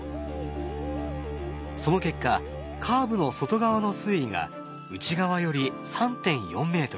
その結果カーブの外側の水位が内側より３．４ｍ。